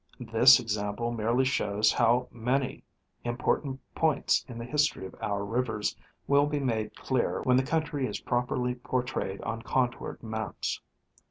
This example merely shows how many important points in the history of our rivers will be made clear when the country is properly portrayed on contoured maps.